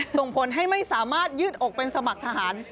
ส่งผลให้ไม่สามารถยืดอกเป็นสมัครทหาร